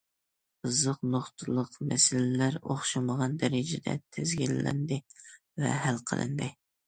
قىزىق نۇقتىلىق مەسىلىلەر ئوخشىمىغان دەرىجىدە تىزگىنلەندى ۋە ھەل قىلىندى.